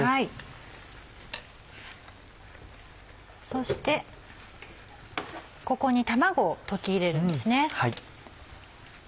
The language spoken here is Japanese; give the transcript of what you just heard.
そしてここに卵を溶き入れるんですね。